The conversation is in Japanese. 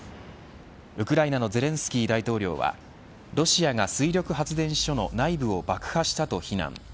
ウクライナのゼレンスキー大統領はロシアが、水力発電所の内部を爆破したと非難。